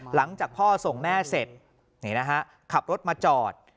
หลังจากพ่อส่งแม่เสร็จขับรถมาจอด